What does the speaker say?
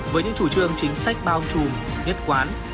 với những chủ trương chính sách bao trùm nhất quán